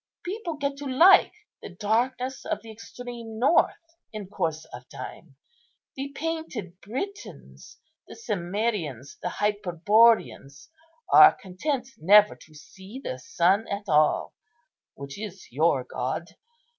People get to like the darkness of the extreme north in course of time. The painted Britons, the Cimmerians, the Hyperboreans, are content never to see the sun at all, which is your god.